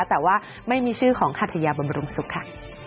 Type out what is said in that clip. แต่ว่าไม่มีชื่อของคัทยาบำรุงสุขค่ะ